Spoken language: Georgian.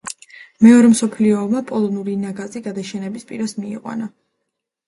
მეორე მსოფლიო ომმა პოლონური ნაგაზი გადაშენების პირას მიიყვანა.